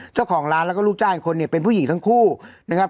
เจ้าของร้านแล้วก็ลูกจ้างอีกคนเนี่ยเป็นผู้หญิงทั้งคู่นะครับ